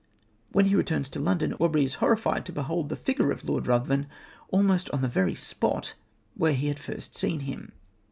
When he returns to London, Aubrey is horrified to behold the figure of Lord Ruthven almost on the very spot where he had first seen him.